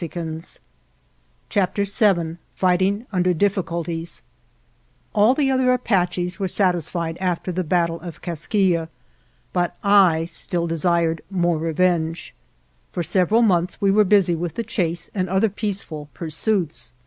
54 CHAPTER VII FIGHTING UNDER DIFFICULTIES ALL the other Apaches were satisfied L after the battle of " Kaskiyeh," but I still desired more revenge. For several months we were busy with the chase and other peaceful pursuits.